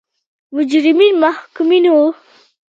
مجرمین محکومین وو.